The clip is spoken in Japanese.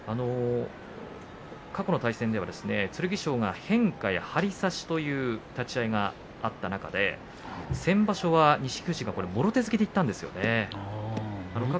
過去の対戦では剣翔が、変化や張り差しという立ち合いがあった中で先場所は錦富士がもろ手突きにいきました。